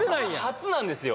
初なんですよ